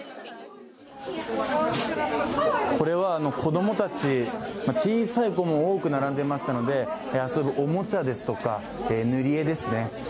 これは子供たち、小さい子も多く並んでいましたので、遊ぶおもちゃですとか、塗り絵ですね。